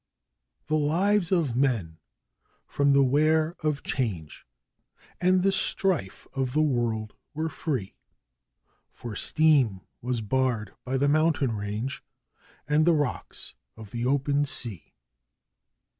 The lives of men from the wear of Change and the strife of the world were free For Steam was barred by the mountain range and the rocks of the Open Sea.